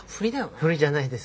フリじゃないです。